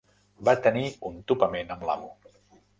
Va tenir un topament amb l'amo.